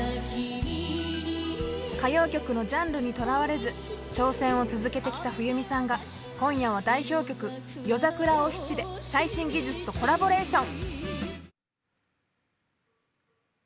歌謡曲のジャンルにとらわれず挑戦を続けてきた冬美さんが今夜は代表曲「夜桜お七」で最新技術とコラボレーション。